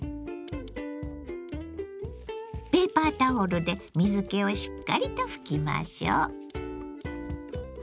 ペーパータオルで水けをしっかりと拭きましょう。